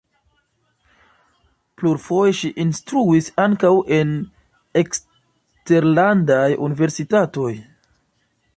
Plurfoje ŝi instruis ankaŭ en eksterlandaj universitatoj.